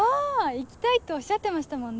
行きたいっておっしゃってましたもんね。